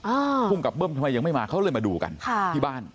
ภูมิกับเบิ้มทำไมยังไม่มาเขาเลยมาดูกันค่ะที่บ้าน